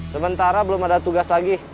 sementara belum ada tugas lagi